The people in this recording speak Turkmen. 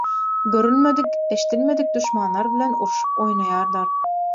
görülmedik, eşdilmedik duşmanlar bilen urşup oýnaýarlar.